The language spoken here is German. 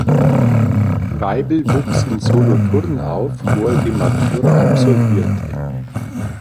Weibel wuchs in Solothurn auf, wo er die Matura absolvierte.